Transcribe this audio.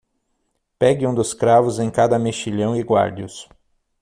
Pegue um dos cravos em cada mexilhão e guarde-os.